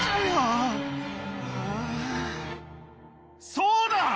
そうだ！